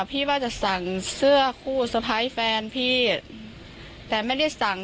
พี่ว่าจะสั่งเสื้อคู่สะพ้ายแฟนพี่แต่ไม่ได้สั่ง